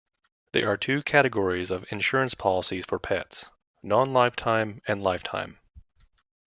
There are two categories of insurance policies for pets: non-lifetime and lifetime.